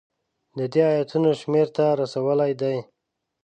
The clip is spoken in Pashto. د دې ایتونو شمېر ته رسولی دی.